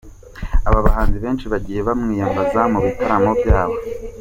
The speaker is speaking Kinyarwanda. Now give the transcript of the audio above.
Abahanzi benshi bagiye bamwiyambaza mu bitaramo byabo.